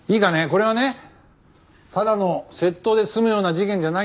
これはねただの窃盗で済むような事件じゃないんだよ。